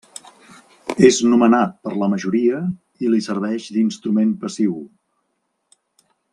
És nomenat per la majoria i li serveix d'instrument passiu.